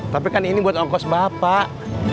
tapi kan ini buat ongkos bapak